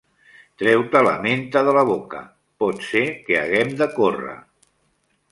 Treu-te la menta de la boca, pot ser que haguem de córrer.